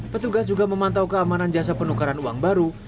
petugas juga memantau keamanan jasa penukaran uang baru